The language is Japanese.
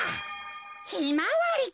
ひまわりか。